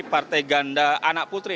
partai ganda anak putri